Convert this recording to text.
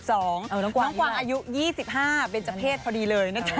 น้องกวางอายุ๒๕เวชพภเพศเนอะจ๊ะ